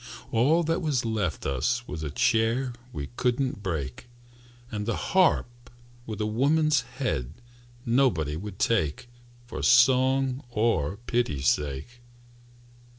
All that was left us Was a chair we couldn't break, And the harp with a woman's head Nobody would take, For song or pity's sake.